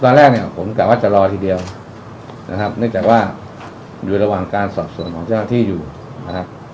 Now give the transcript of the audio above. ตอนแรกเนี่ยผมกะว่าจะรอทีเดียวนะครับเนื่องจากว่าอยู่ระหว่างการสอบส่วนของเจ้าหน้าที่อยู่นะครับ